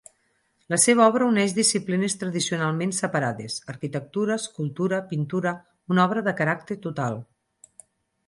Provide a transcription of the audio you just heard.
La seva obra uneix disciplines tradicionalment separades: arquitectura, escultura, pintura; una obra de caràcter total.